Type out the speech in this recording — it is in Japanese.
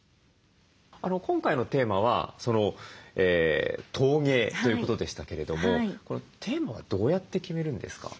今回のテーマは陶芸ということでしたけれどもテーマはどうやって決めるんですか？